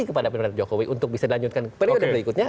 untuk pada pak jokowi untuk bisa dilanjutkan ke peringatan berikutnya